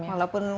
ya macam itu